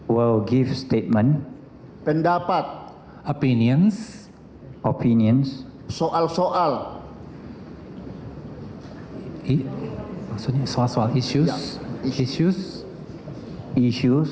bagi ahli ahli saya di bidang patologi